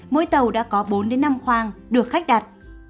mỗi tàu đã có bốn đến năm khoang được khách đặt